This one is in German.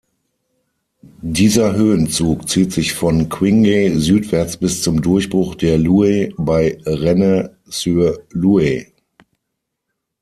Dieser Höhenzug zieht sich von Quingey südwärts bis zum Durchbruch der Loue bei Rennes-sur-Loue.